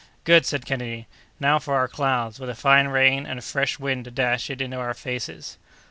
"Good!" said Kennedy; "now for our clouds, with a fine rain, and a fresh wind to dash it into our faces!"